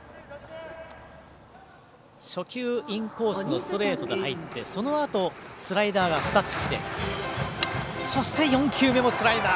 初球インコースのストレートで入ってそのあと、スライダーが２つきてそして、４球目もスライダー。